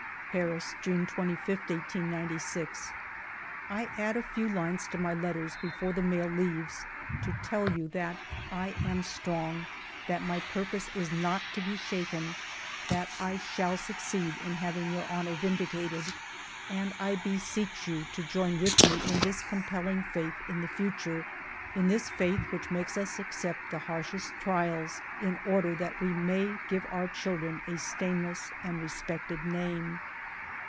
... "Paris, June 25, 1896. " I add a few lines to my letters before the mail leaves to tell you that I am strong, that my purpose is not to be shaken, that I shall succeed in having your honor vindicated ; and I beseech you to join with me in this compelling faith in the future, — in this faith which makes us accept the harshest trials in order that we may give our children a stainless and respected name.